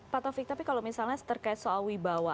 pak taufik tapi kalau misalnya terkait soal wibawa